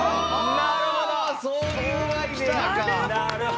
なるほどね。